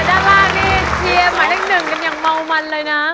ด้านล่างนี้เชียร์หมายเลข๑กันอย่างเมามันเลยนะ